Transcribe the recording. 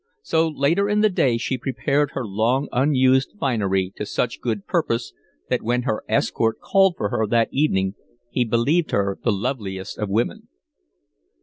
So, later in the day she prepared her long unused finery to such good purpose that when her escort called for her that evening he believed her the loveliest of women.